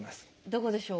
どこでしょう？